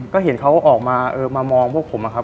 ก็เห็นเขาออกมามามองพวกผมนะครับ